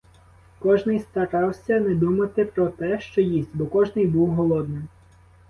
Кожний старався не думати про те, що їсть, бо кожний був голодним.